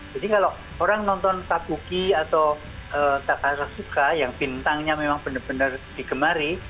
jadi kalau orang nonton kabuki atau takarashuka yang bintangnya memang benar benar digemari